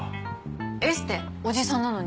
エステおじさんなのに？